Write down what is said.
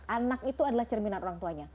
anak itu adalah cerminan orang tuanya